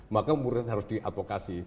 maka mereka harus diadvokasi